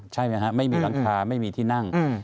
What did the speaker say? ใช่ไหมฮะไม่มีหลังคาไม่มีที่นั่ง